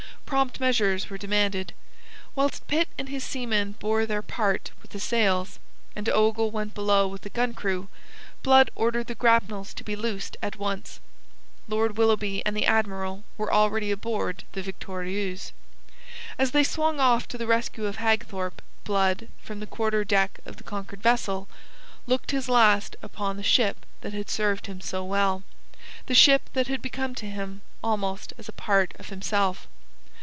Prompt measures were demanded. Whilst Pitt and his seamen bore their part with the sails, and Ogle went below with a gun crew, Blood ordered the grapnels to be loosed at once. Lord Willoughby and the Admiral were already aboard the Victorieuse. As they swung off to the rescue of Hagthorpe, Blood, from the quarter deck of the conquered vessel, looked his last upon the ship that had served him so well, the ship that had become to him almost as a part of himself.